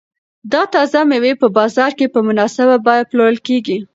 دا تازه مېوې په بازار کې په مناسبه بیه پلورل کیږي.